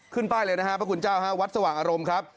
ป้ายเลยนะฮะพระคุณเจ้าฮะวัดสว่างอารมณ์ครับ